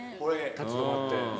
立ち止まって。